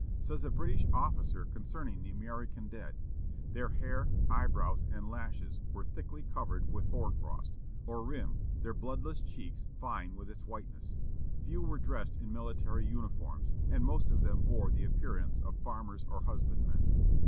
Says a British officer concerning the American dead, "Their hair, eyebrows, and lashes were thickly covered with hoar frost, or rime, their bloodless cheeks vying with its whiteness. Few were dressed in military uniforms, and most of them bore the appearance of farmers or husbandmen.